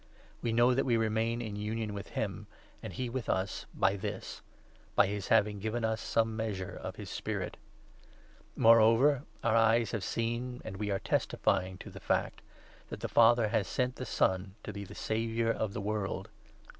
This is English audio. We know that we remain 13 in union with him, and he with us, by this — by his having given us some measure of his Spirit. Moreover, our 14 eyes have seen — and we are testifying to the fact — that the Father has sent the Son to be the Saviour of the world.